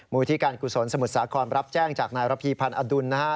ที่การกุศลสมุทรสาครรับแจ้งจากนายระพีพันธ์อดุลนะฮะ